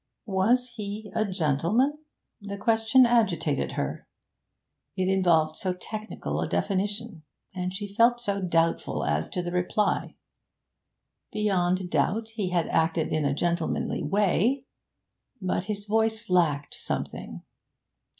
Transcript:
Was he a 'gentleman'? The question agitated her; it involved so technical a definition, and she felt so doubtful as to the reply. Beyond doubt he had acted in a gentlemanly way; but his voice lacked something.